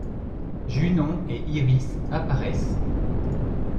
Junon et Iris apparaissent.